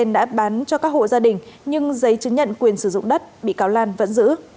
và chứng nhận quyền sử dụng đất bị cáo lan vẫn giữ